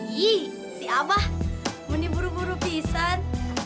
iih si abah meniburu buru pisan